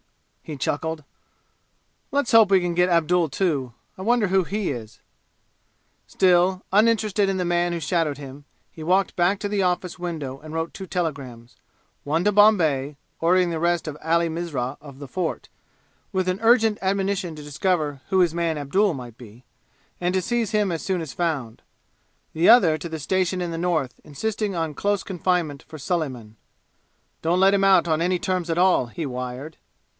he chuckled. "Let's hope we get Abdul too. I wonder who he is!" Still uninterested in the man who shadowed him, he walked back to the office window and wrote two telegrams; one to Bombay, ordering the arrest of Ali Mirza of the Fort, with an urgent admonition to discover who his man Abdul might be, and to seize him as soon as found; the other to the station in the north, insisting on close confinement for Suliman. "Don't let him out on any terms at all!" he wired.